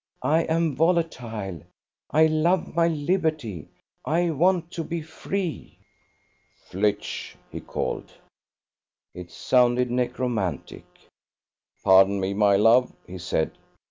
I am volatile. I love my liberty. I want to be free ..." "Flitch!" he called. It sounded necromantic. "Pardon me, my love," he said.